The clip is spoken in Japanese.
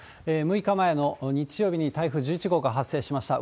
６日前の日曜日に台風１１号が発生しました。